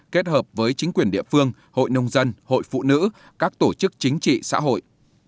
kết hợp với chính quyền địa phương hội nông dân hội phụ nữ các tổ chức chính trị xã hội